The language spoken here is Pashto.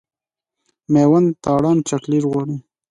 مېوند تارڼ چاکلېټ غواړي.